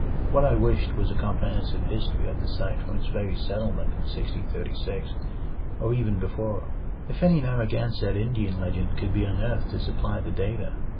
What I wished was a comprehensive history of the site from its very settlement in 1636 or even before, if any Narragansett Indian legend could be unearthed to supply the data.